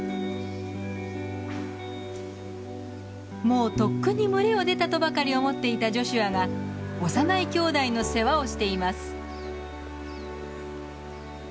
もうとっくに群れを出たとばかり思っていたジョシュアが幼いきょうだいの世話をしています。